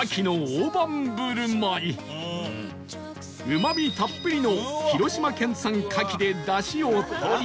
うまみたっぷりの広島県産牡蠣でダシをとり